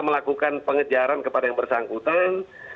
melakukan pengejaran kepada yang bersangkutan